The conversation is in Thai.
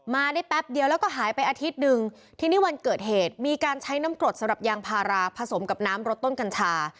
มาได้แป๊บเดียวแล้วก็หายไปอาทิตย์หนึ่งทีนี้วันเกิดเหตุมีการใช้น้ำกรดสำหรับยางพาราผสมกับน้ำรสต้นกัญชา